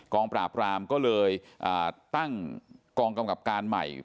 งปราบรามก็เลยตั้งกองกำกับการใหม่